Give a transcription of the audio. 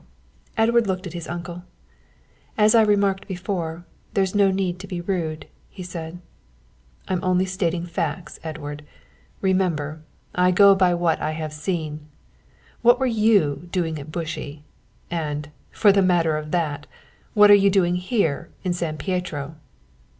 Edward looked at his uncle. "As I remarked before, there's no need to be rude," he said. "I'm only stating facts, Edward. Remember, I go by what I have seen. What were you doing at Bushey, and, for the matter of that, what are you doing here in San Pietro?"